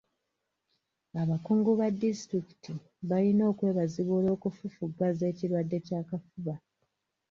Abakungu ba disitulikiti bayina okwebazibwa olw'okufufugaza ekirwadde ky'akafuba.